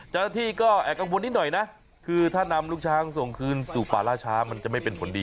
เจ้าหน้าที่ก็แอบกังวลนิดหน่อยนะคือถ้านำลูกช้างส่งคืนสู่ป่าล่าช้ามันจะไม่เป็นผลดี